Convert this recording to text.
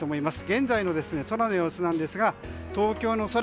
現在の空の様子ですが東京の空